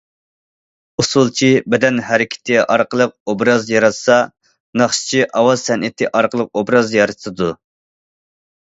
ئۇسسۇلچى بەدەن ھەرىكىتى ئارقىلىق ئوبراز ياراتسا، ناخشىچى ئاۋاز سەنئىتى ئارقىلىق ئوبراز يارىتىدۇ.